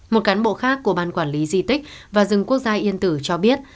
một cán bộ khác của ban quản lý di tích và rừng quốc gia yên tử cho biết